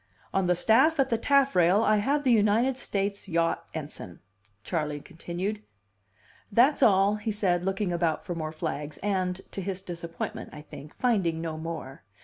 "On the staff at the taffrail I have the United States yacht ensign," Charley continued. "That's all," he said, looking about for more flags, and (to his disappointment, I think) finding no more.